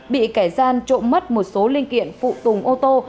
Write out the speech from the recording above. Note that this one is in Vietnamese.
bị kẻ gian trộm mất một số linh kiện phụ tùng ô tô